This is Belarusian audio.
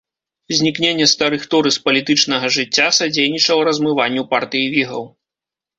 Знікненне старых торы з палітычнага жыцця садзейнічала размыванню партыі вігаў.